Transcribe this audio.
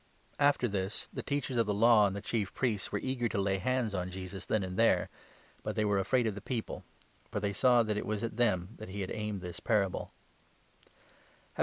After this the Teachers of the Law and the Chief Priests were 19 eager to lay hands on Jesus then and there, but they were afraid of the people ; for they saw that it was at them that he A Question ^at* anilcd this parable.